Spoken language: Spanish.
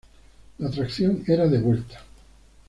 La tracción era de vuelta.